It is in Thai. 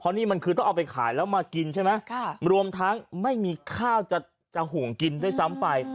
นี่มันคือต้องเอาไปขายแล้วมากินใช่ไหมรวมทั้งไม่มีข้าวจะห่วงกินด้วยซ้ำไป